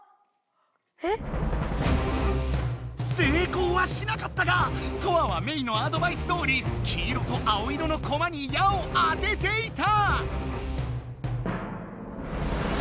成功はしなかったがトアはメイのアドバイスどおり黄色と青色のコマに矢を当てていた！